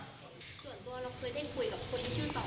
ส่วนตัวเราเคยได้คุยกับคนที่ชื่อต่อ